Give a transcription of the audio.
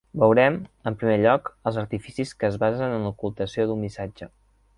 Veurem, en primer lloc, els artificis que es basen en l'ocultació d'un missatge.